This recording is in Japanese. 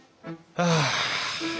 ああ。